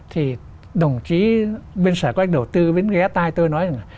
thì đồng chí bên sở các anh đầu tư bên ghé tai tôi nói là